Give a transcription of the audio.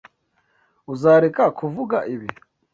Uzareka kuvuga ibi?